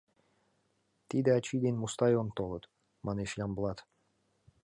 — Тиде ачий ден Мустай он толыт, — манеш Ямблат.